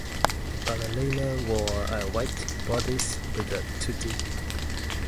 The ballerina wore a white bodice with the tutu.